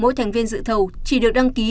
mỗi thành viên dự thầu chỉ được đăng ký